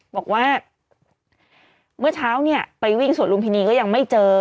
บอกว่าเมื่อเช้าเนี่ยไปวิ่งสวนลุมพินีก็ยังไม่เจอ